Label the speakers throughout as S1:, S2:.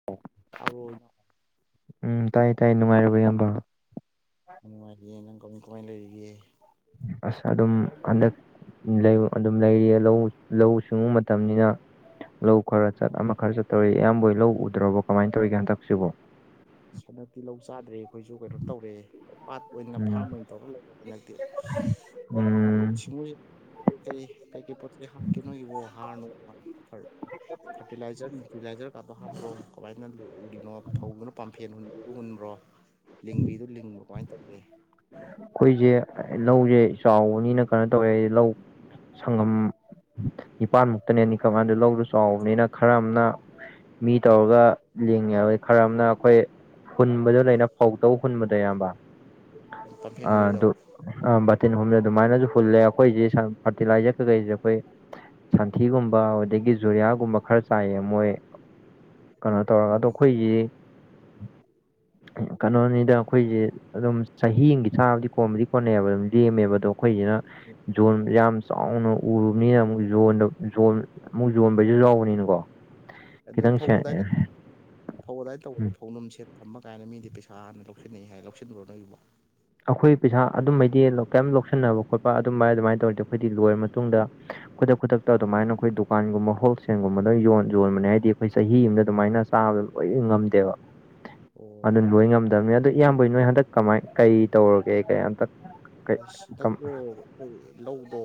S1: [inaudible]
S2: ꯇꯥꯕ꯭ꯔꯣ
S1: ꯎꯝ ꯇꯥꯏꯌꯦ ꯇꯥꯏꯌꯦ ꯅꯨꯡꯉꯥꯏꯔꯤꯕꯣ ꯏꯌꯥꯝꯕ
S2: ꯌꯥꯝ ꯅꯨꯡꯉꯥꯏꯔꯤꯌꯦ ꯅꯪ ꯀꯃꯥꯏ ꯀꯃꯥꯏ ꯂꯩꯔꯤꯒꯦ
S1: ꯑꯁ ꯑꯗꯨꯝ ꯍꯟꯗꯛ [unintelligible] ꯑꯗꯨꯝ ꯂꯩꯔꯤꯌꯦ ꯂꯧꯎ ꯂꯧꯎ ꯁꯤꯡꯎ ꯃꯇꯝꯅꯤꯅ ꯂꯧ ꯈꯔ ꯆꯠ ꯑꯃ ꯈꯔ ꯆꯠ ꯇꯧꯔꯤ ꯏꯌꯥꯝꯕꯍꯣꯏ ꯂꯧ ꯎꯗ꯭ꯔꯕꯣ ꯀꯃꯥꯏꯟ ꯇꯧꯔꯤꯒꯦ ꯍꯟꯗꯛꯁꯤꯕꯣ
S2: ꯍꯟꯗꯛꯇꯤ ꯂꯧ ꯆꯥꯗ꯭ꯔꯦ ꯑꯩꯈꯣꯏꯁꯨ ꯀꯩꯅꯣ ꯇꯧꯔꯦ ꯄꯥꯠ ꯑꯣꯏꯅ
S1: ꯎꯝ
S2: ꯐꯥꯝ ꯇꯧꯔ ꯂꯩꯔꯦ ꯍꯟꯗꯛꯇꯤ ꯑꯦ
S1: ꯎꯝ
S2: ꯁꯤꯡꯃꯨꯁꯦ ꯀꯩ ꯀꯩ ꯀꯩ ꯀꯩ ꯄꯣꯠꯆꯩ ꯍꯥꯞꯀꯦ ꯅꯣꯏꯕꯣ ꯍꯥꯔ ꯅꯨꯡ [unintelligible] ꯐꯔꯇꯤꯂꯥꯏꯖꯔ ꯅꯨꯡꯇꯤꯂꯥꯏꯖꯔ ꯀꯥꯇꯣ ꯍꯥꯞꯄ꯭ꯔꯣ ꯀꯃꯥꯏꯅ ꯎꯔꯤꯅꯣ [unintelligible] ꯄꯥꯝꯐꯦꯟ ꯍꯨꯟꯕꯗꯣ ꯍꯨꯟꯕ꯭ꯔꯣ ꯂꯤꯡꯕꯤꯗꯨ ꯂꯤꯡꯕ꯭ꯔꯣ ꯀꯃꯥꯏꯟ ꯇꯧꯔꯤꯒꯦ
S1: ꯑꯩꯈꯣꯏꯖꯦ ꯂꯧꯖꯦ ꯆꯥꯎꯕꯅꯤꯅ ꯀꯩꯅꯣ ꯇꯧꯋꯦ ꯑꯩ ꯂꯧ ꯁꯪꯒꯝ ꯅꯤꯄꯥꯟꯃꯨꯛꯇꯅꯦꯅꯤ [unintelligible] ꯂꯧꯗꯣ ꯆꯥꯎꯕꯅꯤꯅ ꯈꯔ ꯑꯝꯅ ꯃꯤ ꯇꯧꯔꯒ ꯂꯤꯡꯉꯦꯕ ꯈꯔ ꯑꯃꯅ ꯑꯩꯈꯣꯏ ꯍꯨꯟꯕꯗꯣ ꯂꯩꯅ ꯐꯧ ꯇꯧ ꯍꯨꯟꯕꯗꯨ ꯏꯌꯥꯝꯕ
S2: ꯄꯥꯝꯐꯦꯟ
S1: ꯑꯥ
S2: ꯍꯨꯟꯕꯤꯗꯣ
S1: ꯑꯗꯨ ꯑꯥ ꯕꯥꯇꯤꯟ ꯍꯨꯟꯕꯗ ꯑꯗꯨꯃꯥꯏꯅꯁꯨ ꯍꯨꯜꯂꯦ ꯑꯩꯈꯣꯏꯖꯦ ꯐꯔꯇꯤꯂꯥꯏꯖꯔ ꯀꯩꯀꯩꯁꯦ ꯑꯩꯈꯣꯏ ꯁꯟꯊꯤꯒꯨꯝꯕ ꯑꯗꯒꯤ ꯖꯨꯔꯤꯌꯥꯒꯨꯝꯕ ꯈꯔ ꯆꯥꯏꯌꯦ ꯃꯣꯏ ꯀꯩꯅꯣ ꯇꯧꯔꯒ ꯑꯗꯣ
S2: ꯎꯝ
S1: ꯑꯩꯈꯣꯏꯒꯤ ꯀꯩꯅꯣꯅꯤꯗ ꯈꯣꯏꯒꯤ ꯑꯗꯨꯝ ꯆꯍꯤ ꯑꯝꯒꯤ ꯆꯥꯕꯗꯤ ꯀꯣꯟꯕꯨꯗꯤ ꯀꯣꯟꯅꯩꯌꯦꯕ ꯑꯗꯨꯝ ꯂꯦꯝꯃꯦꯕ ꯑꯗꯣ ꯈꯣꯏꯖꯤꯅ ꯖꯣꯟ ꯌꯥꯝ ꯆꯥꯎꯅ ꯎꯔꯨꯕꯅꯤꯅ ꯑꯃꯨꯛ ꯖꯣꯟꯗ ꯖꯣꯟ ꯑꯃꯨꯛ ꯖꯣꯟꯕꯩꯖꯨ ꯌꯥꯎꯕꯅꯤꯅꯀꯣ
S2: [unintelligible]
S1: ꯈꯤꯇꯪ ꯁꯦꯟ
S2: ꯐꯧ ꯑꯗꯥꯏ ꯇꯧꯕꯗꯣ
S1: ꯎꯝ
S2: ꯐꯧꯅꯝ ꯁꯦꯟ ꯊꯝꯕ ꯀꯥꯏꯅ ꯃꯤꯗꯤ ꯄꯩꯁꯥ ꯍꯥꯟꯅ ꯂꯧꯁꯤꯟꯅꯩ ꯍꯥꯏ ꯂꯧꯁꯤꯟꯕ꯭ꯔꯣ ꯅꯣꯏꯒꯤꯕꯣ
S1: ꯑꯩꯈꯣꯏ ꯄꯩꯁꯥ ꯑꯗꯨꯕꯩꯗꯤ ꯀꯩꯝ ꯂꯧꯁꯤꯟꯅꯕ ꯈꯣꯠꯄ ꯑꯗꯨꯃꯥꯏ ꯑꯗꯨꯃꯥꯏꯅ ꯇꯧꯔꯣꯏꯗ ꯑꯩꯈꯣꯏꯗꯤ ꯂꯣꯏꯔ ꯃꯇꯨꯡꯗ ꯈꯨꯗꯛ ꯈꯨꯗꯛꯇ ꯑꯗꯨꯃꯥꯏꯅ ꯑꯩꯈꯣꯏ ꯗꯨꯀꯥꯟꯒꯨꯝꯕ ꯍꯣꯜꯁꯦꯜꯒꯨꯝꯕꯗ ꯌꯣꯟ ꯌꯣꯟꯕꯅꯦ ꯍꯥꯏꯗꯤ ꯑꯩꯈꯣꯏ ꯆꯍꯤ ꯑꯃꯗ ꯑꯗꯨꯃꯥꯏꯅ ꯆꯥꯕꯗ ꯂꯣꯏꯗꯤ ꯉꯝꯗꯦꯕ
S2: [inaudible]
S1: ꯑꯗꯨꯅ ꯂꫭꯏ ꯉꯝꯗꯕꯅꯤ ꯑꯗꯨ ꯏꯌꯥꯝꯕꯩ ꯅꯣꯏ ꯍꯟꯗꯛ ꯀꯃꯥꯏ ꯀꯩ ꯇꯧꯔꯒꯦ ꯀꯩꯟꯇꯛ
S2: ꯁꯤꯗꯛꯇꯣ ꯂꯧꯗꯣ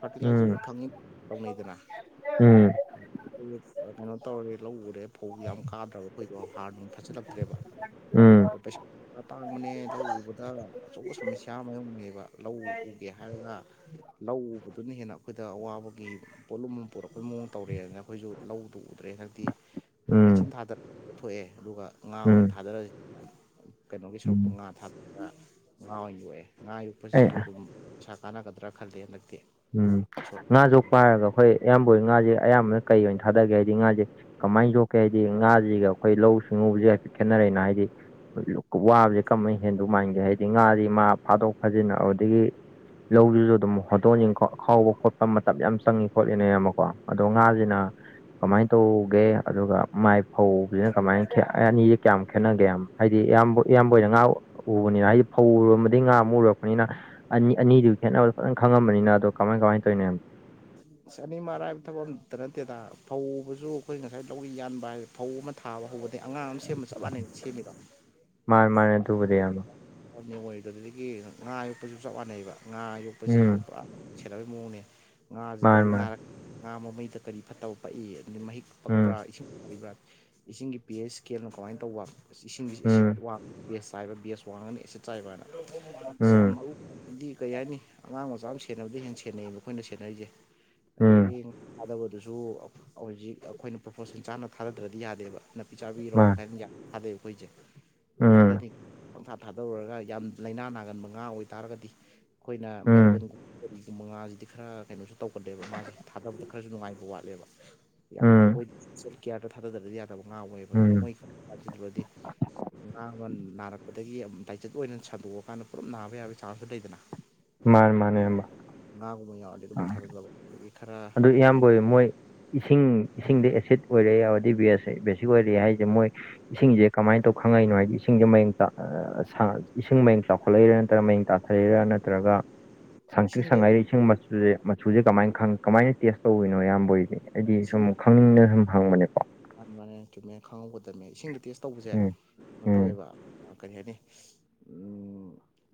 S2: ꯐꯔꯇꯤꯂꯥꯏꯖꯔꯁꯨ
S1: ꯎꯝ
S2: ꯐꯪꯉꯤ ꯇꯧꯅꯩꯗꯅ
S1: ꯎꯝ
S2: ꯀꯩꯅꯣ ꯇꯧꯔꯦ ꯂꯧ ꯎꯔꯦ ꯐꯧ ꯌꯥꯝ ꯀꯥꯗ꯭ꯔꯕ ꯑꯩꯈꯣꯏꯗꯣ ꯍꯥꯔꯅꯨꯡ ꯐꯖꯤꯜꯂꯛꯇ꯭ꯔꯦꯕ
S1: ꯎꯝ
S2: ꯄꯩꯁꯥ ꯑꯇꯥꯡꯕꯅꯦ ꯂꯧ ꯎꯕꯗ ꯑꯆꯧꯕ ꯁꯃꯁ꯭ꯌꯥ ꯃꯥꯏꯌꯣꯛꯅꯦꯕ ꯂꯧ ꯎꯒꯦ ꯍꯥꯏꯔꯒ ꯂꯧ ꯎꯕꯗ ꯑꯗꯨꯅ ꯍꯦꯟꯅ ꯑꯩꯈꯣꯏꯗ ꯑꯋꯥꯕꯒꯤ ꯄꯣꯠꯂꯨꯝ ꯑꯃ ꯄꯨꯔꯛꯄꯩ ꯃꯑꯣꯡ ꯇꯧꯔꯛꯑꯦ ꯑꯗꯨꯅ ꯑꯩꯈꯣꯏꯁꯨ ꯂꯧꯗꯨ ꯎꯗ꯭ꯔꯦ ꯍꯟꯗꯛꯇꯤ
S1: ꯎꯝ
S2: ꯃꯦꯆꯤꯟ ꯊꯥꯗ ꯊꯣꯛꯑꯦ ꯑꯗꯨꯒ ꯉꯥ ꯑꯣꯏꯅ
S1: ꯎꯝ
S2: ꯊꯥꯗꯔ ꯀꯩꯅꯣꯒꯤ
S1: ꯎꯝ
S2: ꯁꯔꯨꯛꯇꯣ ꯉꯥ ꯊꯔꯒ ꯉꯥ ꯑꯣꯏꯅ ꯌꯣꯛꯑꯦ ꯉꯥ
S1: ꯑꯩ
S2: ꯌꯣꯛꯄꯁꯤꯁꯨ ꯑꯗꯨꯝ ꯄꯩꯁꯥ ꯀꯥꯟꯅꯒꯗ꯭ꯔꯥ ꯈꯜꯂꯦ ꯍꯟꯗꯛꯇꯤ
S1: ꯎꯝ ꯉꯥ ꯌꯣꯛꯄ ꯍꯥꯏꯔꯒ ꯑꯩꯈꯣꯏ ꯏꯌꯥꯝꯕ ꯉꯥꯁꯦ ꯏꯌꯥꯝꯕꯅ ꯀꯩ ꯑꯣꯏꯅ ꯊꯥꯗꯒꯦ ꯍꯥꯏꯗꯤ ꯉꯥꯁꯦ ꯀꯃꯥꯏꯅ ꯌꯣꯛꯀꯦ ꯍꯥꯏꯗꯤ ꯉꯥꯁꯤꯒ ꯑꯩꯈꯣꯏ ꯂꯧꯎ ꯁꯤꯡꯎꯕꯁꯤꯒ ꯍꯥꯏꯐꯦꯠ ꯈꯦꯠꯅꯔꯦꯅ ꯍꯥꯏꯗꯤ ꯋꯥꯕꯁꯦ ꯀꯔꯝꯕꯅ ꯍꯦꯟꯗꯧ ꯃꯥꯟꯒꯦ ꯍꯥꯏꯗꯤ ꯉꯥꯁꯤ ꯉꯥ ꯐꯥꯗꯣꯛ ꯐꯥꯖꯤꯟ ꯑꯗꯒꯤ ꯂꯧꯗꯨꯁꯨ ꯑꯗꯨꯝ ꯍꯣꯠꯇꯣꯛ ꯍꯣꯟꯖꯤꯟ ꯈꯥꯎꯕ ꯈꯣꯠꯄ ꯃꯇꯝ ꯌꯥꯝ ꯆꯪꯉ ꯈꯣꯠꯂꯤꯅꯦ ꯑꯃꯀꯣ ꯑꯗꯣ ꯉꯥꯁꯤꯅ ꯀꯃꯥꯏꯅ ꯇꯧꯒꯦ ꯑꯗꯨꯒ ꯃꯥꯏ ꯐꯧꯕꯁꯤꯅ ꯀꯃꯥꯏꯅ ꯑꯅꯤꯁꯦ ꯀꯌꯥꯝ ꯈꯦꯠꯅꯒꯦ ꯍꯥꯏꯗꯤ ꯑꯌꯥꯝꯕ ꯏꯌꯥꯝꯕ ꯑꯣꯏꯅ ꯉꯥ ꯎꯕꯅꯤꯅ ꯍꯥꯏꯗꯤ ꯐꯧꯔꯝꯕꯗꯒꯤ ꯉꯥ ꯑꯃ ꯎꯨꯔꯛꯄꯅꯤꯅ ꯑꯅꯤ ꯑꯅꯤꯗꯨꯒꯤ ꯈꯦꯠꯅꯕꯗ ꯐꯖꯪ ꯈꯪꯉꯕꯅꯤꯅ ꯑꯗꯣ ꯀꯃꯥꯏ ꯀꯃꯥꯏꯅ ꯇꯧꯔꯤꯅ
S2: ꯑꯅꯤꯃꯛ ꯑꯔꯥꯏꯕ ꯊꯕꯛ ꯑꯝꯇ ꯅꯠꯇꯦꯗ ꯐꯧꯕꯁꯨ ꯑꯩꯈꯣꯏ ꯉꯁꯥꯏ ꯂꯧꯔꯤ ꯌꯥꯟꯕ ꯍꯥꯏꯕ ꯐꯧ ꯑꯃ ꯊꯥꯕ ꯍꯧꯕꯗꯒꯤꯩ ꯑꯉꯥꯡ ꯑꯃ ꯁꯦꯝꯕ ꯆꯞ ꯃꯥꯟꯅꯩ ꯁꯦꯝꯃꯤꯕ
S1: ꯃꯥꯅꯦ ꯃꯥꯅꯦ ꯑꯗꯨꯕꯨꯗꯤ ꯏꯌꯥꯝꯕ
S2: ꯑꯗꯨꯗꯒꯤ ꯉꯥ ꯌꯣꯛꯄꯁꯨ ꯆꯞ ꯃꯥꯟꯅꯩꯕ ꯉꯥ ꯌꯣꯛꯄꯁꯤꯁꯨ
S1: ꯎꯝ
S2: ꯁꯦꯟꯅꯅꯕꯩ ꯃꯑꯣꯡꯅꯦ ꯉꯥꯁꯦ
S1: ꯃꯥꯅꯦ
S2: ꯀꯔꯤ
S1: ꯃꯥꯅꯦ
S2: ꯅꯥꯔꯛ ꯉꯥ ꯃꯃꯩꯗ ꯀꯔꯤ ꯐꯠꯇꯕ ꯄꯛꯏ ꯑ ꯃꯍꯤꯛ
S1: ꯎꯝ
S2: ꯄꯛꯄ꯭ꯔꯥ ꯏꯁꯤꯡ ꯄꯛꯄꯤꯕ꯭ꯔꯥ ꯏꯁꯤꯡꯒꯤ ꯄꯤ ꯑꯦꯁ ꯏꯁꯀꯦꯜꯅ ꯀꯃꯥꯏꯅ ꯇꯧꯕ ꯏꯁꯤꯡꯁꯤ ꯑꯦꯁꯤꯠ
S1: ꯎꯝ
S2: ꯕꯦꯁ ꯆꯥꯏꯕ ꯕꯦꯁ ꯋꯥꯡꯉꯅꯤ ꯑꯦꯁꯤꯠ ꯆꯥꯏꯕ ꯍꯥꯏꯅ ꯁꯤ ꯌꯥꯝ
S1: ꯎꯝ
S2: ꯃꯔꯨꯗꯤ ꯀꯩ ꯍꯥꯏꯅꯤ ꯑꯉꯥꯡ ꯃꯆꯥ ꯑꯃ ꯁꯦꯟꯅꯕꯗꯤ ꯍꯦꯟꯅ ꯁꯦꯟꯅꯩꯌꯦꯕ ꯃꯈꯣꯏꯅ ꯁꯦꯟꯅꯔꯤꯁꯦ
S1: ꯎꯝ
S2: ꯑꯗꯒꯤ ꯆꯥꯗꯕꯗꯨꯁꯨ ꯍꯧꯖꯤꯛ ꯑꯩꯈꯣꯏꯅ ꯄ꯭ꯔꯣꯐꯣꯁꯦꯜ ꯆꯥꯅ ꯊꯥꯗꯗ꯭ꯔꯗꯤ ꯌꯥꯗꯦꯕ ꯅꯥꯄꯤ ꯆꯥꯕꯤꯔꯧ
S1: ꯃꯥꯅꯦ
S2: ꯍꯥꯏꯅ ꯊꯥꯗꯩ ꯑꯩꯈꯣꯏꯁꯦ
S1: ꯎꯝ
S2: ꯊꯥꯗꯗꯤ ꯊꯥꯗꯔꯨꯔꯒ ꯌꯥꯝ ꯂꯥꯏꯅꯥ ꯅꯥꯒꯟꯕ ꯉꯥ ꯑꯣꯏꯇꯥꯔꯒꯗꯤ ꯑꯩꯈꯣꯏꯅ
S1: ꯎꯝ
S2: ꯃꯦꯔꯥꯒꯟꯒꯨꯝ ꯄꯨꯡ ꯃꯉꯥꯁꯤꯗꯤ ꯈꯔ ꯀꯩꯅꯣꯁꯨ ꯇꯧꯒꯗꯦꯕ ꯃꯥꯁꯦ ꯊꯥꯗꯕꯗ ꯈꯔꯁꯨ ꯅꯨꯡꯉꯥꯏꯕ ꯋꯥꯠꯂꯦꯕ ꯌꯥꯝꯅ
S1: ꯎꯝ
S2: ꯃꯣꯏ ꯀꯤꯌꯥꯔꯗ ꯊꯥꯗꯗꯕꯗꯤ ꯌꯥꯗꯕ ꯉꯥ ꯑꯣꯏ ꯑꯣꯏꯌꯦꯕ ꯑꯗꯨꯅ
S1: ꯎꯝ
S2: ꯃꯣꯏ ꯕꯗꯤ ꯉꯥ ꯑꯃ ꯅꯔꯛꯄ ꯗꯒꯤ ꯂꯥꯏꯆꯠ ꯑꯣꯏꯅ ꯁꯟꯗꯣꯛ ꯑꯀꯥꯟꯗ ꯄꯨꯂꯞ ꯅꯥꯕ ꯌꯥꯕꯒꯤ ꯆꯥꯟꯁꯁꯨꯨ ꯂꯩꯗꯅ
S1: ꯃꯥꯅꯦ ꯃꯥꯅꯦ ꯏꯌꯥꯝꯕ
S2: ꯉꯥꯒꯨꯝꯕ ꯌꯥꯎꯔꯗꯤ ꯑꯗꯨꯝ ꯊꯥꯗꯖꯕ ꯑꯗꯒꯤ ꯈꯔ
S1: ꯑꯗꯨ
S2: ꯀꯔꯤ
S1: ꯏꯌꯥꯝꯕ
S2: ꯍꯥꯏꯅꯤ
S1: ꯃꯣꯏ ꯏꯁꯤꯡ ꯏꯁꯤꯡꯗ ꯑꯦꯁꯤꯠ ꯑꯣꯏꯔꯦ ꯌꯥꯎꯔꯗꯤ ꯕꯦꯁ ꯕꯦꯁꯤꯛ ꯑꯣꯏꯔꯛꯦ ꯍꯥꯏꯁꯦ ꯃꯣꯏ ꯏꯁꯤꯡꯁꯦ ꯀꯃꯥꯏꯅ ꯇꯧ ꯈꯪꯉꯛꯏꯅꯣ ꯍꯥꯏꯗꯤ ꯏꯁꯤꯡꯁꯦ ꯃꯌꯦꯡ ꯇ ꯏꯁꯤꯡ ꯃꯌꯦꯡ ꯆꯥꯎꯈꯠꯂꯛꯏꯔꯥ ꯅꯠꯇ꯭ꯔꯒ ꯃꯌꯦꯡ ꯇꯥꯊꯔꯥ ꯅꯠꯇ꯭ꯔꯒ ꯁꯪꯇ꯭ꯔꯤꯛ
S2: ꯏꯁꯤꯡꯗ
S1: ꯁꯉꯥꯏꯗ ꯏꯁꯤꯡ ꯃꯆꯨꯁꯦ ꯃꯆꯨꯁꯦ ꯀꯃꯥꯏ ꯀꯃꯥꯏꯅ ꯇꯦꯁ ꯇꯧꯔꯤꯅꯣ ꯏꯌꯥꯝꯕ ꯍꫭꯏꯅꯦ ꯍꯥꯏꯗꯤ ꯁꯨꯝ ꯈꯪꯅꯤꯡꯅ ꯁꯨꯝ ꯍꯪꯕꯅꯦꯀꯣ
S2: ꯑꯗꯨꯃꯥꯏꯅ ꯀꯃꯦ ꯈꯪꯍꯧꯒꯗꯕꯅꯦ ꯏꯁꯤꯡꯗꯣ ꯇꯦꯁ ꯇꯧꯕꯁꯦ
S1: ꯎꯝ
S2: ꯀꯩꯅꯣ
S1: ꯎꯝ
S2: ꯇꯧꯋꯦꯕ ꯀꯔꯤ ꯍꯥꯏꯅꯤ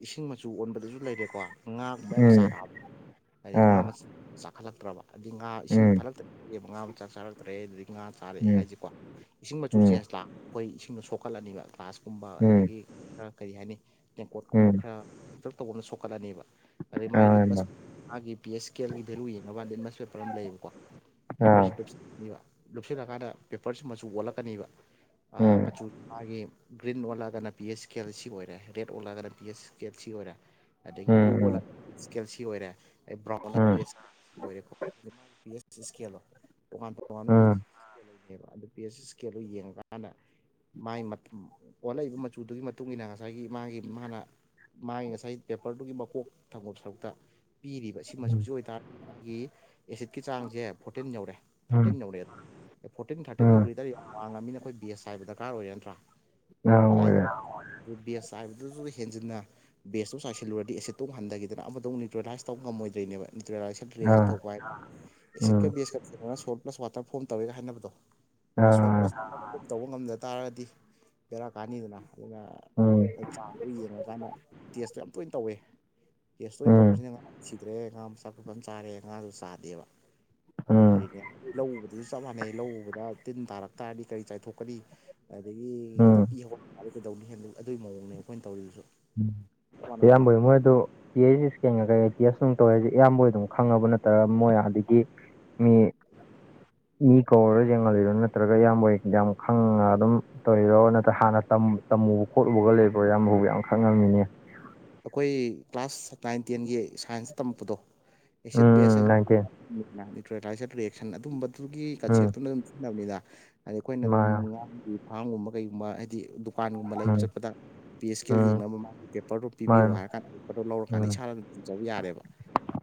S2: ꯏꯁꯤꯡ ꯃꯆꯨ ꯑꯣꯟꯕꯗꯁꯨ ꯂꯩꯔꯦꯀꯣ ꯉꯥꯒꯨꯝꯕ ꯌꯥꯝ
S1: ꯎꯝ
S2: ꯆꯥꯔꯛꯑꯕ ꯍꯥꯏꯗꯤ ꯉꯥ ꯃ
S1: ꯑꯥ
S2: ꯆꯥꯈꯠꯂꯛꯇ꯭ꯔꯕ ꯑꯗꯤ ꯉꯥ ꯏꯁꯤꯡꯁ
S1: ꯎꯝ
S2: ꯐꯠꯂꯛꯇ ꯉꯥ ꯃꯆꯥ ꯆꯥꯔꯛꯇ꯭ꯔꯦ ꯑꯗꯨꯗꯒꯤ ꯉꯥ ꯆꯥꯔꯛꯑꯦ
S1: ꯎꯝ
S2: ꯍꯥꯏꯁꯦꯀꯣ ꯏꯁꯤꯡ ꯃꯆꯨ
S1: ꯎꯝ
S2: ꯆꯦꯟꯖ ꯑꯩꯈꯣꯏ ꯏꯁꯤꯡꯗꯣ ꯁꯣꯛꯀꯠꯂꯅꯤꯕ ꯀ꯭ꯂꯒ꯭ꯂꯥꯁꯀꯨꯝꯕ
S1: ꯎꯝ
S2: ꯑꯗꯨꯗꯒꯤ ꯈꯔ ꯀꯔꯤ ꯍꯥꯏꯅꯤ ꯇꯦꯡꯀꯣꯠꯀꯨꯝꯕ
S1: ꯎꯝ
S2: ꯈꯔ ꯄꯨꯂꯞ ꯇꯧꯕꯅ ꯁꯣꯛꯀꯠꯂꯅꯦꯕ ꯑꯗꯩ ꯃꯥꯒꯤ
S1: ꯑꯥ ꯏꯌꯥꯝꯕ
S2: ꯂꯤꯠꯃꯁ ꯃꯥꯒꯤ ꯄꯤ ꯑꯦꯁ ꯀꯦ ꯑꯦꯜꯒꯤ ꯚꯦꯂꯨ ꯌꯦꯡꯉꯀꯥꯟꯗ ꯂꯤꯠꯃꯁ ꯄꯦꯄꯔ ꯑꯃ ꯂꯩꯌꯦꯕꯀꯣ
S1: ꯑꯥ
S2: ꯄꯦꯄꯔꯁꯤ ꯂꯨꯞꯁꯤꯟꯅꯤꯕ ꯂꯨꯞꯁꯤꯜꯂꯀꯥꯟꯗ ꯄꯦꯄꯔꯁꯤ ꯃꯆꯨ ꯑꯣꯠꯂꯛꯀꯅꯤꯕ
S1: ꯎꯝ
S2: ꯃꯆꯨ ꯃꯥꯒꯤ ꯒ꯭ꯔꯤꯟ ꯑꯣꯜꯂꯒꯅ ꯄꯤ ꯑꯦꯁ ꯀꯦ ꯑꯦꯜ ꯁꯤ ꯑꯣꯏꯔꯦ ꯔꯦꯠ ꯑꯣꯜꯂꯒꯅ ꯄꯤ ꯑꯦꯁ ꯀꯦ ꯑꯦꯜ ꯁꯤ ꯑꯣꯏꯔꯦ ꯑꯗꯒꯤ
S1: ꯎꯝ
S2: ꯕ꯭ꯂꯨ ꯑꯣꯂ
S1: ꯎꯝ
S2: ꯏꯁꯀꯦꯟꯁꯤ ꯑꯣꯏꯔꯦ ꯑꯗꯩ ꯕ꯭ꯔꯥꯎꯟ ꯄꯤ
S1: ꯎꯝ
S2: ꯑꯦꯁ ꯑꯣꯏꯔꯦꯀꯣ ꯏꯁꯀꯦꯜꯗꯣ ꯇꯣꯉꯥꯟ
S1: ꯎꯝ
S2: ꯇꯣꯉꯥꯟꯕꯅꯦꯕ ꯑꯗꯨ ꯄꯤ ꯑꯦꯁ ꯏꯁꯀꯦꯜꯗꯨꯣ ꯌꯦꯡꯉꯀꯥꯟꯗ ꯃꯥꯒꯤ ꯑꯣꯜꯂꯛꯏꯕ ꯃꯆꯨꯗꯨꯒꯤ ꯃꯇꯨꯡ ꯏꯟꯅ ꯉꯁꯥꯏꯒꯤ ꯃꯥꯒꯤ ꯃꯥꯅ ꯃꯥꯒꯤ ꯉꯁꯥꯏ ꯄꯦꯄꯔꯗꯨꯒꯤ ꯃꯀꯣꯛ ꯊꯪꯕ ꯁꯔꯨꯛꯇ ꯄꯤꯔꯤꯕ ꯁꯤ
S1: ꯎꯝ
S2: ꯃꯆꯨꯁꯤ ꯑꯣꯏꯇꯥꯔꯦ ꯑꯩꯈꯣꯏꯒꯤ ꯑꯦꯁꯤꯠꯀꯤ ꯆꯥꯡꯁꯦ ꯐꯣꯔꯇꯤꯟ ꯌꯧꯔꯦ
S1: ꯎꯝ
S2: ꯊꯥꯔꯇꯤꯟ ꯌꯧꯔꯦ ꯑꯦ ꯐꯣꯔꯇꯤꯟ ꯊꯥꯔꯇꯤꯟ
S1: ꯎꯝ
S2: ꯌꯧꯈ꯭ꯔꯤꯗ ꯌꯥꯝ ꯋꯥꯡꯉꯕꯅꯤꯅ ꯑꯩꯈꯣꯏ ꯕꯤ ꯑꯦꯁ ꯍꯥꯏꯕꯔꯀꯥꯔ ꯑꯣꯏꯔꯦ ꯅꯠꯇ꯭ꯔꯥ
S1: ꯑꯥ ꯑꯣꯏꯔꯦ
S2: [unintelligible] ꯕꯦꯁ ꯍꯥꯏꯕꯗꯨꯁꯨ ꯍꯦꯟꯖꯤꯟꯅ ꯕꯦꯁꯇ ꯆꯥꯏꯜꯂꯨꯔꯗꯤ ꯑꯦꯁꯤꯠꯇꯨ ꯍꯟꯊꯈꯤꯗꯅ ꯑꯃꯗꯧ ꯅ꯭ꯌꯇ꯭ꯔꯦꯥꯏ ꯇꯧ ꯉꯝꯃꯗꯣꯏꯅꯦꯕ꯭ꯌꯇꯦꯂꯥꯏꯁ ꯫ [unintelligible]
S1: ꯑꯥ
S2: ꯈꯟꯊꯣꯛꯄ ꯍꯥꯏ
S1: ꯎꯝ
S2: ꯑꯦꯁꯤꯠꯀ ꯕꯦꯁꯀꯒ ꯁꯣꯜ ꯄ꯭ꯂꯁ ꯋꯥꯇꯔ ꯐꯣꯝ ꯇꯧꯔꯦꯒ ꯍꯥꯏꯅꯕꯗꯣ꯫ ꯁꯣꯔꯠ
S1: ꯑꯥ
S2: ꯄ꯭ꯂꯁ ꯇꯧꯕ ꯉꯝꯗ ꯇꯥꯔꯒꯗꯤ ꯄꯦꯔꯥ ꯀꯥꯅꯤꯗꯅ ꯑꯗꯨ
S1: ꯎꯝ
S2: ꯆꯥꯠꯇꯨ ꯌꯦꯡꯉꯨꯔꯀꯥꯟꯗ ꯇꯦꯁꯇꯣ ꯌꯥꯝ ꯇꯣꯏꯅ ꯇꯧꯋꯦ ꯇꯦꯁ ꯇꯣꯏꯅ
S1: ꯎꯝ
S2: ꯇꯧꯕꯁꯤꯅ [unintelligible] ꯆꯥꯔꯦ ꯉꯥꯗꯨ ꯆꯥꯗꯦꯕ
S1: ꯎꯝ
S2: ꯑꯗꯨꯕꯨꯗꯤꯅꯦ ꯂꯧ ꯎꯕꯗꯨꯁꯨ ꯆꯞ ꯃꯥꯟꯅꯩ ꯂꯧ ꯎꯕꯗ ꯇꯤꯟ ꯇꯥꯔꯛ ꯇꯥꯔꯗꯤ ꯀꯔꯤ ꯆꯥꯏꯊꯣꯛꯀꯅꯤ ꯑꯗꯒꯤ
S1: ꯎꯝ
S2: ꯅꯄꯤ ꯀꯩꯗꯧꯅꯤ ꯍ ꯑꯗꯨꯒꯤ ꯃꯑꯣꯡꯅꯦ ꯑꯩꯈꯣꯏꯅ ꯇꯧꯔꯤꯕꯁꯨ꯫
S1: ꯎꯝ ꯏꯌꯥꯝꯕ ꯃꯣꯏ ꯑꯗꯨ ꯇꯤ ꯑꯩ ꯏꯁꯀꯒ ꯀꯩ ꯇꯁ ꯇꯧꯋꯦ ꯍꯥꯏꯁꯦ ꯑꯌꯥꯝꯕ ꯑꯗꯨꯝ ꯈꯪꯉꯕ ꯅꯠꯇꯔꯒ ꯃꯣꯏ ꯑꯗꯨꯗꯒꯤ ꯃꯤ
S2: [unintelligible]
S1: ꯏ ꯀꯧꯔꯒ ꯌꯦꯡꯍꯜꯂꯤꯔꯣ ꯅꯠꯇ꯭ꯔꯒ ꯏꯌꯥꯝꯕ ꯌꯥꯝ ꯈꯪꯉ ꯑꯗꯨꯝ ꯇꯧꯔꯤꯔꯣ ꯅꯠꯇ꯭ꯔꯒ ꯍꯥꯟꯅ ꯇꯝ ꯇꯝꯃꯨꯕ ꯈꯣꯠꯂꯨꯕꯒ ꯂꯩꯕ꯭ꯔꯣ ꯏꯌꯥꯝꯕꯕꯨ ꯌꯥꯝ ꯈꯛꯉꯝꯃꯤꯅꯦ꯫
S2: ꯑꯩꯈꯣꯏ ꯀ꯭ꯂꯥꯁ ꯅꯥꯏꯟ ꯇꯦꯟꯒꯤ ꯁꯥꯏꯟꯁꯇ ꯇꯝꯃꯛꯄꯗꯣ ꯑꯦꯁꯤꯠ
S1: ꯎꯝ
S2: ꯕꯦꯁ
S1: ꯅꯥꯏꯟꯇꯤꯟ
S2: ꯑꯦꯟ ꯅ꯭ꯌꯨꯇ꯭ꯔꯦꯂꯥꯏꯖꯔꯠ ꯔꯤꯌꯦꯁꯟ ꯑꯗꯨꯝꯕꯗꯨꯒꯤ
S1: ꯎꯝ
S2: ꯀꯟꯁꯦꯞꯇꯨꯅ ꯑꯗꯨꯝ ꯁꯤꯖꯤꯟꯅꯕꯅꯤꯗ꯫ ꯍꯥꯏꯗꯤ ꯑꯈꯣꯏꯅ ꯑꯗꯨꯝ
S1: ꯃꯥꯅꯦ
S2: ꯉꯥ ꯐꯥꯝꯒꯨꯝꯕ ꯀꯩꯒꯨꯝꯕ ꯍꯥꯏꯗꯤ ꯗꯨꯀꯥꯟꯒꯨꯝꯕ ꯂꯩꯕ
S1: ꯎꯝ
S2: ꯆꯠꯄꯗ ꯄꯤ ꯑꯦꯁ ꯀꯦ ꯑꯦꯜ
S1: ꯎꯝ
S2: ꯌꯦꯡꯅꯕ ꯑꯃ ꯃꯥ ꯄꯦꯄꯔꯗꯣ ꯄꯤꯕꯤꯌꯣ
S1: ꯃꯥꯅꯦ
S2: ꯍꯥꯏꯔ ꯀꯥꯟꯗ ꯄꯣꯠꯇꯣ ꯂꯧꯔꯀꯥꯟꯗ
S1: ꯎꯝ
S2: ꯏꯁꯥꯅ ꯑꯗꯨꯝ ꯄꯤꯖꯕ ꯌꯥꯔꯦꯕ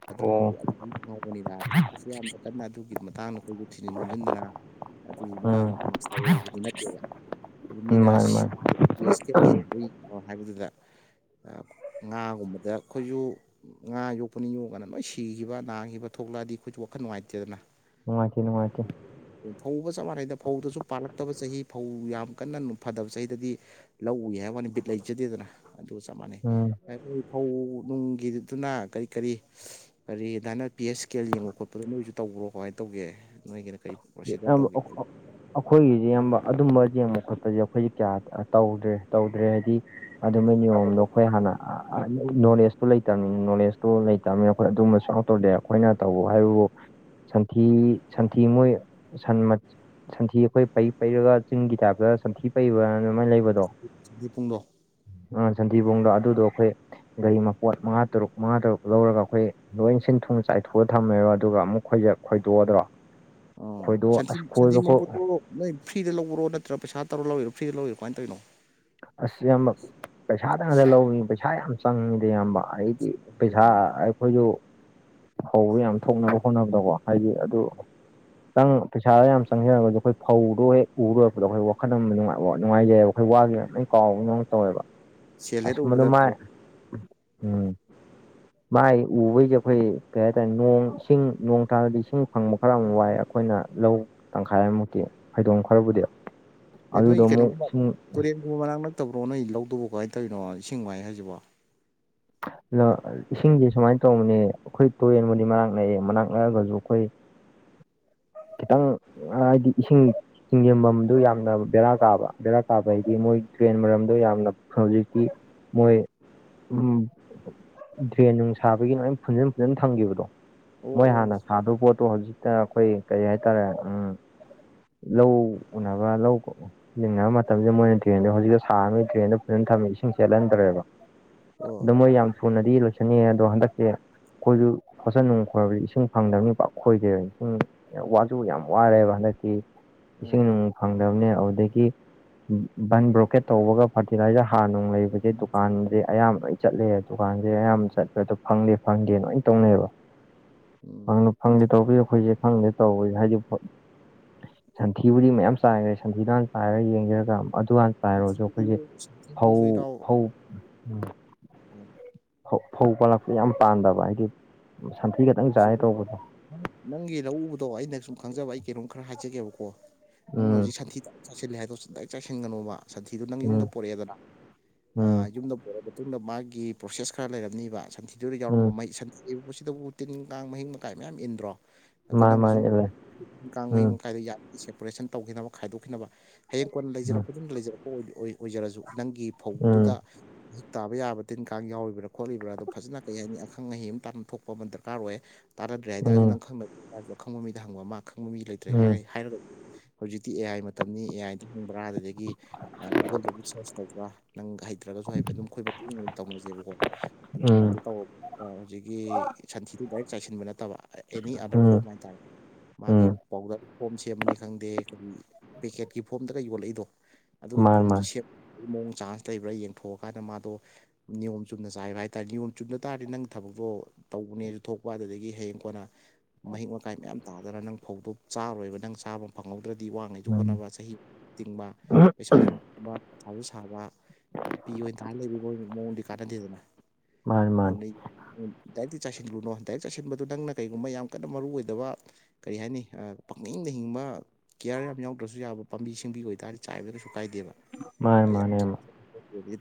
S2: ꯑꯗꯨ
S1: ꯑꯣ
S2: [unintelligible] ꯌꯥꯝ ꯀꯅꯥ ꯑꯗꯨꯒꯤ ꯇꯥꯡꯅꯈꯣꯏꯁꯨ ꯊꯤꯖꯤꯟ ꯅꯣꯝꯖꯤꯟꯗꯅ
S1: ꯎꯝ
S2: ꯑꯗꯨꯅ ꯃꯥꯁꯇꯔ ꯑꯣꯏꯗꯨꯗꯤ ꯅꯠꯇꯦꯕ
S1: ꯃꯥꯅꯦ ꯃꯥꯅꯦ
S2: [unintelligible] ꯌꯦꯡꯉꯣ ꯍꯥꯏꯕꯗꯨꯗ ꯉꯥꯒꯨꯝꯕꯗ ꯑꯈꯣꯏꯁꯨ ꯉꯥ ꯌꯣꯛꯄꯅꯤ ꯌꯣꯛꯒꯅ ꯅꯣꯏ ꯁꯤꯈꯤꯕ ꯅꯥꯈꯤꯕ ꯊꯣꯛꯂꯛꯑꯗꯤ ꯑꯈꯣꯏꯁꯨ ꯋꯥꯈꯜ ꯅꯨꯡꯉꯥꯏꯇꯦꯗꯅ꯫
S1: ꯅꯨꯡꯉꯥꯏꯇꯦ ꯅꯨꯡꯉꯥꯏꯇꯦ
S2: [unintelligible] ꯐꯧꯕ ꯆꯞ ꯃꯥꯟꯅꯩꯗ ꯐꯧꯗꯁꯨ ꯄꯥꯜꯂꯛꯇꯕ ꯆꯍꯤ ꯐꯧ ꯌꯥꯝ ꯀꯟꯅ ꯐꯗꯕ ꯆꯍꯤꯗꯗꯤ ꯂꯧ ꯎꯏ ꯍꯥꯏꯕ ꯋꯥꯅꯤ ꯕꯤꯠ ꯂꯩꯖꯗꯦꯗꯅ ꯑꯗꯨꯒ ꯆꯞ ꯃꯥꯟꯅꯩ꯫
S1: ꯎꯝ
S2: ꯑꯩꯈꯣꯏ ꯐꯧ ꯅꯨꯡꯒꯤꯗꯨꯅ ꯀꯔꯤ ꯀꯔꯤ ꯀꯔꯤꯗꯥꯅ ꯄꯤ ꯑꯦꯁ ꯀꯦ ꯑꯦꯜ ꯌꯦꯡꯕ ꯈꯣꯠꯄꯗ ꯅꯣꯏꯁꯨ ꯇꯧꯕ꯭ꯔꯣ ꯀꯃꯥꯏꯅ ꯇꯧꯒꯦ ꯅꯣꯏꯒꯤꯅ ꯀꯔꯤ ꯄ꯭ꯔꯣꯁꯤꯗꯔ
S1: ꯌꯥꯝ
S2: ꯇꯧꯒꯦ
S1: [unintelligible] ꯑꯈꯣꯏꯒꯤꯁꯦ ꯑꯌꯥꯝꯕ ꯑꯗꯨꯝꯕ ꯌꯦꯡꯕ ꯈꯣꯠꯄꯁꯦ ꯑꯈꯣꯏꯁꯦ ꯀꯌꯥ ꯇꯧꯗ꯭ꯔꯦ ꯇꯧꯗ꯭ꯔꯦ ꯍꯥꯏꯕꯗꯤ ꯑꯗꯨꯃꯥꯏ ꯅꯤꯌꯣꯝꯗꯣ ꯑꯈꯣꯏ ꯍꯥꯟꯅ ꯅꯣꯂꯦꯖꯇꯨ ꯂꯩꯇꯕꯅꯤꯅ ꯅꯣꯂꯦꯖꯇꯨ ꯂꯩꯇꯕꯅꯤꯅ ꯑꯈꯣꯏ ꯑꯗꯨꯝꯕꯁꯨ ꯇꯧꯗꯦ ꯑꯈꯣꯏꯅ ꯇꯧꯕ ꯍꯥꯏꯕꯕꯨ ꯁꯊꯤ ꯁ ꯁꯟꯊꯤ ꯃꯣꯏꯟ ꯁꯟꯊꯤ ꯑꯈꯣꯏ ꯄꯩ ꯄꯩꯔꯒ ꯆꯤꯡꯒꯤ ꯇꯥꯏꯞꯇ ꯁꯟꯊꯤ ꯀꯩꯕ ꯑꯗꯨꯃꯥꯏꯅ ꯂꯩꯕꯗꯣ
S2: ꯁꯟꯊꯤ ꯄꯨꯡꯗꯣ
S1: ꯁꯟꯊꯤꯕꯨꯡꯗꯣ ꯑꯗꯨꯗꯣ ꯑꯈꯣꯏ ꯒꯥꯔꯤ ꯃꯄꯣꯠ ꯃꯉꯥ ꯇꯔꯨꯛ ꯃꯉꯥ ꯇꯔꯨꯛ ꯂꯧꯔꯒ ꯑꯈꯣꯏ ꯂꯣꯏ ꯁꯤꯟ ꯊꯨꯝ ꯆꯥꯏꯊꯣꯛꯑꯒ ꯊꯝꯃꯦꯕ ꯑꯗꯨꯒ ꯑꯃꯨꯛ ꯑꯈꯣꯏꯁꯦ ꯈꯣꯏꯗꯣꯛꯑꯗ꯭ꯔꯣ
S2: ꯑꯣ
S1: ꯈꯣꯏꯗꯣꯛ
S2: ꯁꯟꯊꯤ
S1: ꯑꯁ
S2: ꯁꯟꯊꯤ
S1: ꯈꯣꯏꯕ
S2: ꯃꯕꯣꯠꯇꯣ ꯅꯣꯏ ꯐ꯭ꯔꯤꯗ ꯂꯧꯕꯔꯣ ꯅꯠꯇ꯭ꯔ ꯄꯩꯁꯥ ꯇꯧꯔ ꯂꯧꯔꯤꯔꯣ ꯐ꯭ꯔꯤꯗ ꯂꯧꯔꯤꯔꯣ ꯀꯃꯥꯏ ꯇꯧꯏ?
S1: ꯑꯁ ꯏꯌꯥꯝꯕ ꯄꯩꯁꯥꯗꯅꯗ ꯂꯧꯏ ꯄꯩꯁꯥ ꯌꯥꯝ ꯆꯪꯉꯤꯗ ꯏꯌꯥꯝꯕ꯫ ꯑꯩꯗꯤ ꯄꯩꯁꯥ ꯑꯩꯈꯣꯏꯁꯨ ꯐꯩꯗꯨ ꯌꯥꯝ ꯊꯣꯛꯅꯕ ꯍꯣꯠꯅꯕꯗꯀꯣ ꯍꯥꯏꯗꯤ ꯑꯗꯨ ꯈꯤꯇꯪ ꯄꯩꯁꯥꯗ ꯌꯥꯝ ꯆꯪꯁꯤꯖꯔꯒꯁꯨ ꯑꯩꯈꯣꯏ ꯐꯧꯗꯣ ꯍꯦꯛ ꯎꯕ ꯂꯣꯏꯔꯛꯄꯗꯥ ꯑꯈꯣꯏ ꯑꯝ ꯅꯨꯉꯥꯏꯖꯩꯑꯕ꯫ ꯂꯣꯢ ꯀꯥꯎꯕꯗꯧꯅ ꯇꯧꯋꯦꯕ
S2: ꯁꯦꯜ ꯍꯦꯛ
S1: ꯑꯁ ꯃꯑꯗꯨ
S2: ꯎꯕꯗ
S1: ꯃꯥꯏ
S2: ꯀꯥꯎ
S1: ꯎꯝ ꯃꯥꯏ ꯎꯕꯩꯖꯦ ꯑꯩꯈꯣꯏ ꯀꯩ ꯍꯥꯏꯇꯥꯔꯦ ꯅꯣꯡ ꯏꯁꯤꯡ ꯅꯣꯡ ꯇꯥꯔꯗꯤ ꯏꯁꯤꯡ ꯐꯪꯕ ꯈꯔ ꯑꯃꯨꯛ ꯋꯥꯏ ꯑꯈꯣꯏꯅ ꯂꯧ ꯇꯪꯈꯥꯏꯃꯨꯛꯇꯤ ꯐꯩꯗꯣꯝ ꯈꯔꯕꯨꯗꯤ ꯑꯗꯨꯗꯃꯨꯛ ꯁꯤꯡ
S2: ꯎ ꯃꯅꯥꯛ ꯅꯛꯇꯕ꯭ꯔꯣ ꯅꯣꯏ ꯂꯧꯗꯨꯕꯨ ꯀꯃꯥꯏ ꯇꯧꯔꯤꯅꯣ ꯏꯁꯤꯡ ꯋꯥꯏ ꯍꯥꯏꯁꯤꯕꯣ?
S1: ꯏꯁꯤꯡꯁꯦ ꯁꯨꯃꯥꯏ ꯇꯧꯕꯅꯦ ꯑꯩꯈꯣꯏ ꯇꯨꯔꯦꯟꯕꯨꯗꯤ ꯃꯅꯥꯛ ꯅꯛꯑꯦ ꯃꯅꯥꯛ ꯅꯛꯑꯒꯁꯨ ꯑꯩꯈꯣꯏ
S2: [inaudible]
S1: ꯈꯤꯇꯪ ꯍꯥꯏꯗꯤ ꯏꯁꯤꯡ ꯆꯤꯡꯖꯟꯐꯝꯗꯨ ꯌꯥꯝꯅ ꯕꯦꯔꯥ ꯀꯥꯕ꯫ ꯗꯔꯥ ꯀꯥꯕ ꯍꯥꯏꯗꯤ ꯃꯣꯏ ꯗ꯭ꯔꯦꯟ ꯃꯔꯝꯗꯣ ꯌꯥꯝꯅ ꯍꯧꯖꯤꯛꯇꯤ ꯃꯣꯏ ꯗ꯭ꯔꯦꯟ ꯅꯨꯡ ꯁꯥꯕꯒꯤ ꯂꯣꯏ ꯐꯨꯟꯖꯟ- ꯐꯨꯟꯖꯟ ꯊꯝꯈꯤꯕꯗꯣ ꯃꯣꯏ ꯍꯥꯟꯅ
S2: ꯑꯣ
S1: ꯁꯥꯗꯧꯕ ꯄꯣꯠꯇꯣ ꯍꯧꯖꯤꯛꯇ ꯑꯩꯈꯣꯏ ꯀꯔꯤ ꯍꯥꯏꯇꯥꯔꯦ ꯎꯝ ꯂꯧ ꯎꯅꯕ ꯂꯧ ꯀꯣꯛꯎ ꯂꯤꯡꯅꯕ ꯃꯇꯝꯖꯤꯗ ꯃꯣꯏꯅ ꯗ꯭ꯔꯦꯟꯗꯣ ꯍꯧꯖꯤꯛꯛꯇ ꯁꯥꯔꯝꯃꯤ ꯗ꯭ꯔꯦꯟꯗꯣ ꯐꯖꯅ ꯊꯝꯃꯤ ꯏꯁꯤꯡ ꯆꯦꯜꯍꯟꯗ꯭ꯔꯦꯕ꯫
S2: ꯑꯣ ꯑꯣ
S1: ꯑꯗꯨꯣ ꯃꯣꯏ ꯌꯥꯝ ꯊꯨꯅꯗꯤ ꯂꯣꯏꯁꯟꯅꯤꯑꯦ ꯑꯗꯣ ꯍꯟꯗꯛꯁꯦ ꯑꯩꯈꯣꯏꯁꯨ ꯐꯣꯠꯁꯟ ꯅꯨꯡ ꯈꯣꯏꯕꯗꯤ ꯏꯁꯤꯡ ꯐꯪꯗꯕꯅꯤ ꯄꯥꯛ ꯈꯣꯏꯗꯦꯕ ꯏꯁꯤꯡ ꯋꯥꯖꯨ ꯌꯥꯝ ꯋꯥꯔꯦꯕ ꯍꯟꯗꯛꯇꯤ ꯏꯁꯤꯡ ꯅꯨꯡ ꯐꯪꯗꯕꯅꯦ ꯑꯗꯨꯗꯒꯤ ꯕꯟ ꯕ꯭ꯔꯣꯀꯦꯠ ꯇꯧꯕꯒ ꯐꯔꯇꯤꯂꯥꯏꯖꯔ ꯍꯥꯔ ꯅꯨꯡ ꯂꯩꯕꯁꯦ ꯗꯨꯀꯥꯟꯖꯦ ꯑꯌꯥꯝꯕꯅ ꯆꯠꯂꯦ ꯗꯨꯀꯥꯟꯖꯦ ꯑꯌꯥꯝꯕ ꯆꯠꯄꯦꯗꯣ ꯐꯪꯗꯦ- ꯐꯪꯗꯦ ꯂꯣꯏꯅ ꯇꯧꯅꯩꯑꯕ꯫ ꯪ
S2: ꯎꯝ
S1: ꯐꯪꯅ ꯐꯪꯒꯤꯗꯦ ꯇꯧꯕ ꯑꯩꯈꯣꯏꯁꯦ ꯈꯪꯗꯦ ꯇꯧꯕ ꯍꯥꯏꯗꯤ ꯁꯟꯊꯤꯕꯨꯗꯤ ꯃꯌꯥꯝ ꯆꯥꯏꯈ꯭ꯔꯦ ꯁꯟꯊꯤꯗꯨ ꯍꯥꯟ ꯆꯥꯏꯔꯒ ꯌꯦꯡꯖꯦꯔꯒ ꯑꯗꯨ ꯍꯥꯟ ꯆꯥꯏꯔꯁꯨ ꯑꯩꯈꯣꯏꯁꯦ
S2: ꯁꯟꯊꯤꯗꯨꯁꯨ
S1: ꯐꯧ
S2: ꯁꯟꯊꯤꯗꯨꯁꯨ ꯏꯅꯥꯎ
S1: ꯐꯧ ꯎꯝ ꯐꯧ ꯄꯥꯜꯂꯛꯄ ꯌꯥꯝ ꯄꯥꯟꯗꯕ ꯍꯥꯏꯗꯤ ꯁꯟꯊꯤ ꯈꯛꯇꯪ ꯆꯥꯏꯔ ꯇꯣꯛꯄꯗꯣ ꯫
S2: ꯅꯪꯒꯤ ꯂꯧꯎꯕꯗꯣ ꯑꯩꯅ ꯁꯨꯝ ꯈꯪꯖꯕ ꯑꯩ ꯀꯩꯅꯣꯝ ꯈꯔ ꯍꯥꯏꯖꯒꯦꯕꯀꯣ ꯅꯪꯅ
S1: ꯎꯝ
S2: ꯍꯧꯖꯤꯛ ꯁꯟꯊꯤ ꯆꯥꯏꯁꯤꯜꯂꯦ ꯍꯥꯏꯗꯣꯗꯣ ꯁꯨꯡꯆꯥꯏ ꯆꯥꯏꯁꯤꯟꯒꯅꯣꯕ ꯁꯟꯊꯤꯗꯨ ꯅꯪ ꯌꯨꯝꯗ
S1: ꯎꯝ
S2: ꯄꯣꯔꯛꯑꯦꯗꯅ
S1: ꯎꯝ
S2: ꯑꯩ ꯌꯨꯝꯗ ꯄꯨ ꯃꯇꯨꯡꯗ ꯃꯥꯒꯤ ꯄ꯭ꯔꯣꯁꯦꯁ ꯈꯔ ꯂꯩꯔꯝꯅꯤꯕ ꯁꯝꯊꯤ ꯗꯨꯗ ꯌꯥꯎꯔꯝꯕ
S1: ꯎꯝ
S2: ꯃꯍꯩ ꯁꯟꯁꯤꯗꯕꯨ ꯇꯤꯟ ꯀꯥꯡ ꯃꯍꯤꯛ ꯃꯀꯥꯏ ꯃꯌꯥꯝ ꯏꯟꯗ꯭ꯔꯣ ꯑꯩꯈꯣꯏ
S1: ꯃꯥꯅꯤ
S2: ꯅꯪꯅ
S1: ꯃꯥꯅꯤ
S2: ꯁꯨꯝ
S1: ꯎꯝ
S2: ꯀꯥꯡ ꯃꯍꯤꯛ
S1: ꯎꯝ
S2: ꯃꯈꯥꯏꯗ ꯁꯦꯄꯣꯔꯦꯁꯟ ꯇꯧꯈꯤꯅꯕ ꯈꯥꯏꯗꯣꯛꯈꯤꯅꯕ ꯍꯌꯦꯡ ꯀꯣꯟꯅ ꯂꯩꯖꯔꯛꯄꯗꯨꯅ ꯂꯩꯖꯔꯛꯄ ꯑꯣꯏꯖꯔꯁꯨ ꯅꯪꯒꯤ
S1: ꯎꯝ
S2: ꯐꯧꯗꯨꯗ ꯍꯧꯖꯤꯛ ꯇꯥꯕ ꯌꯥꯕ ꯇꯤꯟ ꯀꯥꯡ ꯌꯥꯎꯔꯤꯕ꯭ꯔꯥꯣꯠꯂꯤ꯭ꯔꯥꯗꯣ ꯐꯖꯅ ꯀꯩ ꯍꯥꯏꯅꯤ ꯑꯈꯪ ꯑꯍꯩ ꯑꯃ ꯇꯥꯟꯅ ꯊꯣꯛꯄ ꯑꯃ ꯃꯇꯝꯗ ꯗꯔꯀꯥꯔ ꯑꯣꯏ ꯇꯥꯅꯗ꯭ꯔꯦ ꯍꯥꯏꯇꯥꯥꯔꯁꯨ
S1: ꯎꯝ
S2: ꯅꯪ ꯈꯪ ꯈꯪꯕ ꯃꯤꯗ ꯍꯪꯕ ꯃꯥ ꯈꯪꯕ ꯃꯤ ꯂꯩ ꯇ꯭ꯔꯦ
S1: ꯎꯝ
S2: ꯍꯥꯏ ꯍꯥꯏꯔ ꯍꯧꯖꯤꯛꯇꯤ ꯑꯦ ꯑꯥꯏ ꯃꯇꯝꯅꯤ ꯑꯦ ꯑꯥꯏꯗ ꯍꯡꯕ꯭ꯔꯥ ꯑꯗꯨꯗꯒꯤ ꯒꯨꯒꯜꯗꯒꯤ ꯁꯔꯁ ꯇꯧꯕ꯭ꯔꯥ ꯅꯪ ꯍꯥꯏ ꯅꯠꯇ꯭ꯔꯒꯁꯨ ꯍꯥꯏꯐꯦꯠ ꯑꯗꯨꯝ ꯑꯩꯈꯣꯏ ꯃꯇꯨꯡ ꯏ ꯇꯧꯅꯁꯦꯕꯀꯣ
S1: ꯎꯝ
S2: ꯑꯗꯨꯗ ꯇꯧ ꯍꯧꯖꯤꯛꯀꯤ ꯁꯟꯊꯤꯗꯨ ꯗꯥꯏꯔꯦꯛ ꯆꯥꯏꯁꯤꯟꯕ ꯅꯠꯇꯕ ꯑꯦꯅꯤ ꯑꯗꯔ
S1: ꯎꯝ
S2: ꯐꯣꯔꯝ ꯍꯥꯏꯇꯥꯔꯦ ꯃꯥꯒꯤ
S1: ꯎꯝ
S2: ꯄꯥꯎꯗꯔ ꯐꯣꯝ ꯁꯦꯝꯕꯅꯤ ꯈꯪꯗꯦ ꯀꯔꯤ ꯄꯦꯀꯦꯠꯀꯤ ꯐꯣꯝꯗꯒ ꯌꯣꯜꯂꯛꯏꯗꯣ ꯑꯗꯨꯒꯤ
S1: ꯃꯥꯅꯤ
S2: ꯐꯣꯝꯗꯨ ꯁꯦꯝꯅꯕꯒꯤ ꯃꯑꯣꯡ ꯆꯥꯟꯁ ꯂꯩꯕ꯭ꯔꯥ ꯌꯦꯡꯊꯣꯛꯑꯀꯥꯟꯗ ꯃꯥꯗꯣ ꯅꯤꯌꯣꯝ ꯆꯨꯝꯅ ꯆꯥꯏꯕ ꯍꯥꯏꯇꯥꯔꯦ ꯅꯤꯌꯣꯝ ꯆꯨꯝꯗ ꯇꯥꯔꯗꯤ ꯅꯪ ꯊꯕꯛꯇꯣ ꯇꯧꯕꯅꯦꯁꯨ ꯊꯣꯛꯄ ꯑꯗꯨꯗꯒꯤ ꯍꯌꯦꯡ ꯀꯣꯟꯅ ꯃꯍꯤꯛ ꯃꯀꯥꯏ ꯃꯌꯥꯝ ꯇꯥꯗꯅ ꯅꯪ ꯐꯧꯗꯣꯛ ꯆꯥꯔꯣꯏꯕ ꯅꯪ ꯆꯥꯕ ꯐꯪꯍꯧꯗ꯭ꯔꯗꯤ ꯋꯥꯉꯩꯁꯨ
S1: ꯃꯥꯅꯤ
S2: ꯍꯣꯠꯅꯕ ꯆꯍꯤ ꯇꯤꯡꯕ
S1: ꯎꯝ
S2: ꯄꯩꯁꯥꯁꯨꯕ ꯁꯥꯁꯨ ꯁꯥꯕ ꯄꯤ ꯑꯣꯏꯅ ꯇꯥꯅ ꯂꯩꯕꯤ ꯃꯑꯣꯡꯗꯤ ꯀꯥꯟꯅꯗꯦꯗꯅ꯫
S1: ꯃꯥꯅꯤ ꯃꯥꯅꯤ
S2: [unintelligible] ꯗꯥꯏꯔꯦꯛꯇꯤ ꯆꯥꯏꯁꯤꯟꯂꯨꯅꯣ ꯗꯥꯏꯔꯤꯛ ꯆꯥꯏꯁꯤꯟꯕꯗꯨ ꯅꯪꯅ ꯀꯔꯤꯒꯨꯝꯕ ꯌꯥꯝ ꯀꯟꯅ ꯃꯔꯨ ꯑꯣꯏꯗꯕ ꯀꯔꯤ ꯍꯥꯏꯅꯤ ꯄꯪꯅꯤꯡꯗ ꯍꯤꯡꯕ ꯀꯤꯌꯥꯔ ꯌꯥꯝ ꯌꯥꯎꯗ꯭ꯔꯁꯨ ꯌꯥꯕ ꯄꯥꯝꯕꯤ ꯁꯤꯡꯕꯤ ꯑꯣꯏꯇꯥꯔꯗꯤ ꯆꯥꯏꯕꯗꯁꯨ ꯀꯥꯏꯗꯦꯕ
S1: ꯃꯥꯅꯤ
S2: ꯌꯥꯝ
S1: ꯃꯥꯅꯦꯕ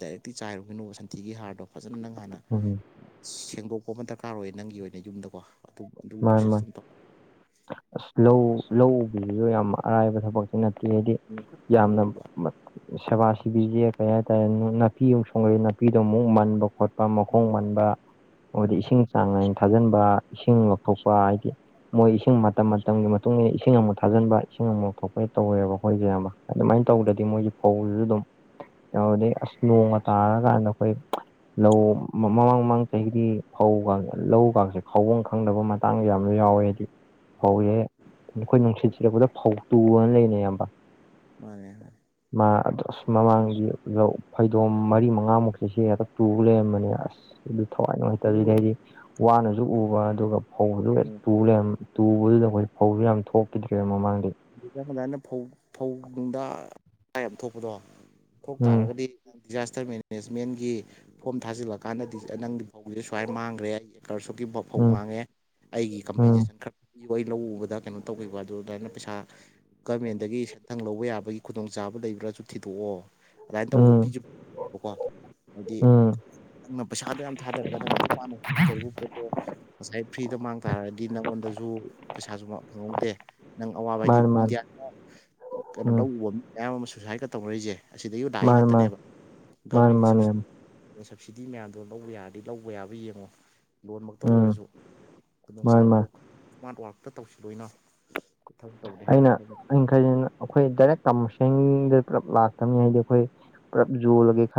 S2: ꯗꯥꯏꯔꯦꯛꯇꯤ ꯆꯥꯏꯔꯨꯒꯅꯣ ꯁꯟꯊꯤꯒꯤ ꯍꯥꯔꯗꯣ ꯐꯖꯅ ꯅꯪ ꯍꯥꯟꯅ
S1: ꯎꯝ
S2: ꯁꯦꯡꯗꯣꯛꯄ ꯑꯃ ꯗꯔꯀꯥꯔ ꯑꯣꯏꯌꯦ ꯅꯪꯒꯤ ꯑꯣꯏꯅ ꯌꯨꯝꯗꯀꯣ ꯑꯗꯨ ꯑꯗꯨꯒꯤ
S1: ꯃꯥꯅꯤ ꯃꯥꯅꯤ
S2: ꯄ꯭ꯔꯣꯁꯦꯁꯇꯝ ꯇꯧ
S1: ꯑꯁ ꯂꯧ ꯂꯧ ꯎꯕꯤꯁꯨ ꯌꯥꯝ ꯑꯔꯥꯏꯕ ꯊꯕꯛꯛꯇꯤ ꯅꯠꯇꯦ ꯍꯥꯏꯗꯤ
S2: ꯇꯧ
S1: ꯌꯥꯝꯅ
S2: ꯇꯧꯕ
S1: ꯁꯦꯕꯥ ꯁꯤꯕꯤꯁꯦ ꯀꯩ ꯍꯥꯏꯇꯥꯔꯦ ꯅꯥꯄꯤ ꯑꯃꯨꯛ ꯁꯣꯡꯒꯛꯦ ꯅꯥꯄꯤꯗꯣ ꯑꯃꯨꯛ ꯃꯟꯕ ꯈꯣꯠꯄ ꯃꯈꯣꯡ ꯃꯟꯕ ꯑꯗꯤ ꯏꯁꯤꯡ ꯆꯥꯡ ꯅꯥꯏꯅ ꯊꯥꯖꯤꯟꯕ ꯏꯁꯤꯡ ꯂꯧꯊꯣꯛꯄ ꯍꯥꯏꯗꯤ ꯃꯣꯏ ꯏꯁꯤꯡ ꯃꯇꯝ ꯃꯇꯝꯒꯤ ꯃꯇꯨꯡ ꯏꯟꯅ ꯏꯁꯤꯡ ꯑꯃꯨꯛ ꯊꯥꯖꯤꯟꯕ ꯏꯁꯤꯡ ꯑꯃꯨꯛꯥꯎ ꯊꯣꯛꯣꯛꯄꯩ ꯇꯧꯋꯦꯕ ꯑꯩꯈꯣꯏꯁꯦ ꯑꯃ ꯑꯗꯨꯃꯥꯏꯅ ꯇꯧꯗꯗꯤ ꯃꯣꯏꯁ ꯐꯧꯗꯨꯁꯨ ꯑꯗꯨꯝꯗꯩ ꯑꯁ ꯅꯣꯡꯉ ꯇꯥꯔꯀꯥꯟꯗ ꯑꯩꯈꯣꯏ ꯂꯧ ꯃꯃꯥꯡ ꯃꯃꯥꯡ ꯆꯍꯤꯗꯤ ꯐꯧ ꯂꯧꯒꯁꯦ ꯐꯕꯐꯝ ꯈꯪꯗꯕ ꯃꯥꯦ ꯍꯛꯆꯥꯡꯁ ꯌꯥꯝꯅ ꯌꯥꯎꯋꯦ ꯍꯥꯏꯗꯤ ꯐꯧꯁꯦ ꯑꯩꯈꯣꯏ ꯅꯨꯡꯁꯤꯠ ꯁꯤꯜꯔꯛꯄꯗ ꯐꯧ ꯇꯨꯑꯅ ꯂꯩꯅꯩ ꯑꯌꯥꯝꯕ
S2: ꯃꯅꯦ ꯑꯘꯨꯕꯨꯘꯤ
S1: ꯃꯥ ꯑꯗ ꯑꯁ ꯃꯃꯥꯡꯒꯤ ꯐꯩꯗꯣꯝ ꯃꯔꯤ ꯃꯉꯥꯃꯨꯛꯁ ꯍꯦꯗ ꯇꯨ ꯂꯩꯔꯝꯕꯅꯦ ꯑꯁ ꯑꯗꯨ ꯊꯋꯥꯏ
S2: ꯑꯗꯨ
S1: ꯅꯨꯡꯉꯥꯏꯇꯕꯁꯤꯗꯤ ꯍꯥꯏꯗꯤ ꯋꯥꯅꯁꯨ ꯎꯕ ꯑꯗꯨꯒ ꯐꯧꯕꯁꯨ ꯍ ꯇꯨ ꯂꯩꯝ ꯇꯨꯕꯗꯨꯗ ꯑꯩꯈꯣꯏ ꯐꯧꯁꯨ ꯌꯥꯝ ꯊꯣꯛꯈꯤꯗ꯭ꯔꯦꯕ ꯃꯃꯥꯡꯗꯤ
S2: ꯑꯗꯨ ꯍꯗꯥꯅ ꯐꯧ ꯐꯧ ꯅꯨꯡꯗꯥꯏ ꯑꯃ ꯊꯣꯛꯄꯗꯣ
S1: ꯎꯝ
S2: ꯊꯣꯛꯇꯥꯥꯔꯒꯗꯤ ꯗꯤꯖꯥꯁꯇꯔ ꯃꯦꯅꯦꯖꯃꯦꯟꯒꯤ ꯐꯣꯝ ꯊꯥꯖꯤꯜꯂꯀꯥꯟꯗꯗꯤ ꯅꯪꯒꯤ ꯐꯧꯁꯦ ꯁꯨꯃꯥꯏ ꯃꯥꯡꯈ꯭ꯔꯦ ꯑꯩ ꯑꯦ ꯀꯔꯁꯛꯀꯤ ꯐꯧ ꯐꯧ
S1: ꯎꯝ
S2: ꯃꯥꯡꯉꯦ ꯑꯩꯒꯤ
S1: ꯎꯝ
S2: ꯀꯝꯄꯦꯟꯁꯦꯁꯟ ꯈꯔ ꯄꯤꯌꯨ ꯑꯩ ꯂꯧ ꯎꯕꯗ ꯀꯩꯅꯣ ꯇꯧꯕꯤꯕ ꯑꯗꯨ ꯑꯗꯨꯃꯥꯏꯅ ꯄꯩꯁꯥ ꯒꯔꯃꯦꯟꯗꯒꯤ ꯁꯦꯟꯊꯪ ꯂꯧꯕ ꯌꯥꯕꯒꯤ ꯈꯨꯗꯣꯡꯆꯥꯕ ꯂꯩꯕ꯭ꯔꯥꯁꯨ ꯊꯤꯗꯣꯛꯑꯣ ꯑꯗꯨꯃꯥꯏꯅ ꯇꯧꯕꯗꯣ
S1: ꯎꯝ
S2: ꯄꯤꯁꯨꯕꯀꯣ ꯍꯥꯏꯗꯤ
S1: ꯎꯝ
S2: ꯅꯪꯅ ꯄꯩꯁꯥꯗꯣ ꯌꯥꯝ ꯊꯥꯗꯔꯒ ꯅꯪꯅ ꯑꯗꯨꯛ ꯋꯥꯥꯟꯅ ꯇꯔꯨ ꯄꯣꯠꯇꯣ ꯉꯁꯥꯏ ꯐ꯭ꯔꯤꯗ ꯃꯥꯡ ꯇꯥꯔꯗꯤ ꯅꯪꯉꯣꯟꯗꯁꯨ ꯄꯩꯁꯥꯁꯨ ꯐꯪꯍꯧꯗꯦ ꯅꯪ ꯑꯋꯥꯕ ꯍꯥꯏꯗꯤ
S1: ꯃꯥꯅꯦ ꯃꯥꯅꯦ
S2: ꯏꯟꯗꯤꯌꯥꯅ ꯀꯩꯅꯣ ꯇ
S1: ꯎꯝ
S2: ꯎꯕ ꯃꯤ ꯃꯌꯥꯝ ꯑꯃ ꯁꯨꯁꯥꯏꯠꯀ ꯇꯧꯅꯔꯤꯁꯦ ꯑꯁꯤꯗꯁꯨ ꯂꯥꯛꯏ
S1: ꯃꯥꯅꯦ ꯃꯥꯅꯦ
S2: ꯉꯥꯛꯇꯅꯦꯕ
S1: ꯃꯥꯅꯦ
S2: ꯒꯃꯦꯟꯒꯤ
S1: ꯃꯥꯅꯦ
S2: ꯁꯕꯁꯤꯗꯤ ꯁꯕꯁꯤꯗꯤ ꯃꯌꯥꯝꯗꯣ ꯂꯧꯕ ꯌꯥꯔꯗꯤ ꯂꯧꯕ ꯌꯥꯕ ꯌꯦꯡꯉꯣ ꯂꯣꯟꯃꯛꯇ
S1: ꯎꯝ
S2: ꯑꯣꯏꯔꯁꯨ
S1: ꯃꯥꯅꯦ ꯃꯥꯅꯦ
S2: ꯈꯨꯗꯣꯡꯆꯥꯥꯕꯗꯣ ꯍꯥꯔꯠ ꯋꯥꯔꯛꯇ ꯇꯧꯁꯤꯗꯣꯏꯅꯣ
S1: ꯑꯩꯅ ꯑꯩꯈꯩꯁꯤ ꯑꯩꯈꯣꯏ ꯗꯥꯏꯔꯦꯛ ꯀꯃꯔꯁꯦꯜꯗ ꯄꯨꯂꯞ ꯂꯥꯛꯇꯕꯅꯤ ꯍꯥꯏꯗꯤ ꯑꯩꯈꯣꯏ ꯄꯨꯂꯞ ꯌꯣꯜꯂꯒꯦ ꯈ